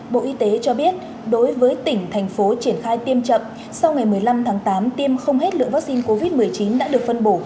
bộ y tế cho biết đối với tỉnh thành phố triển khai tiêm chậm sau ngày một mươi năm tháng tám tiêm không hết lượng vaccine covid một mươi chín đã được phân bổ